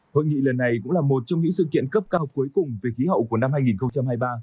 hội nghị lần này cũng là một trong những sự kiện cấp cao cuối cùng về khí hậu của năm hai nghìn hai mươi ba